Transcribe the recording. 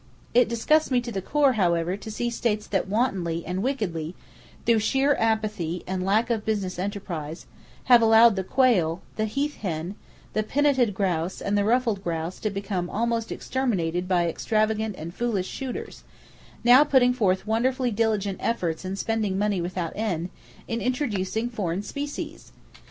It disgusts me to the core, however, to see states that wantonly and wickedly, through sheer apathy and lack of business enterprise, have allowed the quail, the heath hen, the pinnated grouse and the ruffed grouse to become almost exterminated by extravagant and foolish shooters, now putting forth wonderfully diligent efforts and spending money without end, in introducing foreign species!